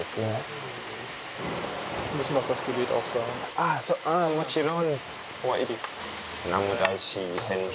あぁもちろん。